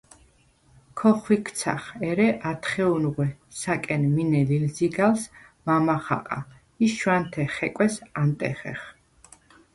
ქოხვიქცახ, ერე ათხეუნღვე სა̈კენ მინე ლილზიგა̈ლს მამა ხაყა ი შვა̈ნთე ხეკვეს ანტეხეხ.